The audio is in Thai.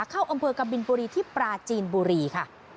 เข้าอำเภอกบินบุรีที่ปราจีนบุรีค่ะ